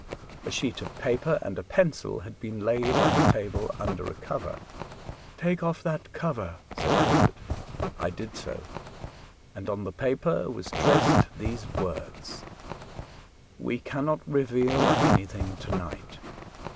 A sheet of paper and a pencil had been laid on the table under a cover. " Take off that cover," said Hilbert. I did so, and on the paper was traced these word :—*' We cannot reveal anything to night.